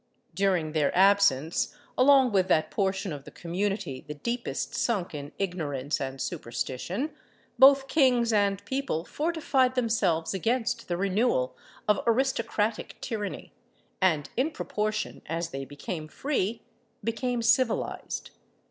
During their absence along with that portion of the community the deepest sunk in ignorance and superstition, both kings and people fortified themselves against the renewal of aristocratic tyranny, and in proportion as they became free became civilised.